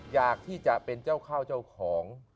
อยากที่จะเป็นเจ้าข้าวเจ้าของ